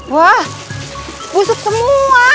wah busuk semua